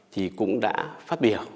thì cũng đã phát biểu